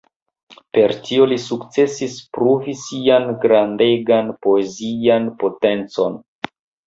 Per tio li sukcesis pruvi sian grandegan poezian potencon.